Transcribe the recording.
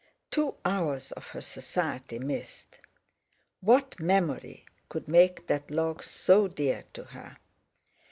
Two hours of her society missed! What memory could make that log so dear to her?